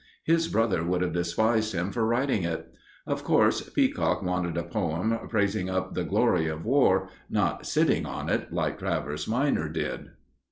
His brother would have despised him for writing it. Of course, Peacock wanted a poem praising up the glory of war, not sitting on it, like Travers minor did.